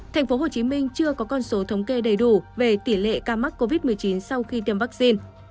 tp hcm chưa có con số thống kê đầy đủ về tỷ lệ ca mắc covid một mươi chín sau khi tiêm vaccine